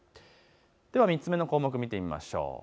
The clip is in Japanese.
では３つ目の項目見てみましょう。